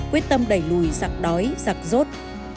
quyết tâm đẩy lùi giặc đói giặc rốt